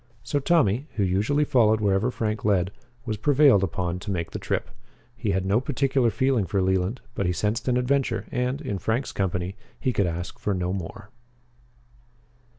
So Tommy, who usually followed wherever Frank led, was prevailed upon to make the trip. He had no particular feeling for Leland, but he sensed an adventure, and, in Frank's company, he could ask for no more.